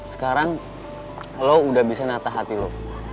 sekarang lo udah bisa natah hati lo